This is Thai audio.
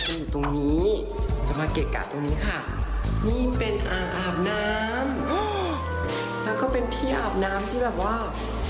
อยู่ตรงนี้จะมาเกะกะตรงนี้ค่ะนี่เป็นอ่างอาบน้ำอืมแล้วก็เป็นที่อาบน้ำที่แบบว่า